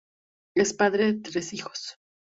Es padre de tres hijos.